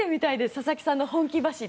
佐々木さんの本気走り。